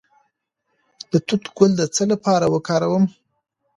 د توت ګل د څه لپاره وکاروم؟